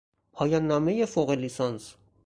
پایان نامهی فوق لیسانس